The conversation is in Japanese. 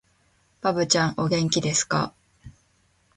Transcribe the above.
ばぶちゃん、お元気ですかー